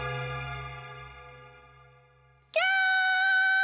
きゃ！